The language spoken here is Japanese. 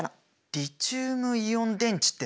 リチウムイオン電池って何？